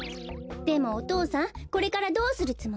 でもお父さんこれからどうするつもり？